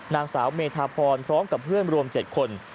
นางสาวเมธาพรพร้อมกับเพื่อนรวม๗คน